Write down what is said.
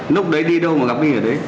lúc đấy đi đâu mà gặp my ở đấy